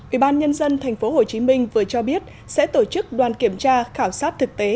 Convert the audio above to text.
ủy ban nhân dân tp hcm vừa cho biết sẽ tổ chức đoàn kiểm tra khảo sát thực tế